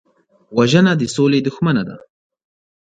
وژنه د سولې دښمنه ده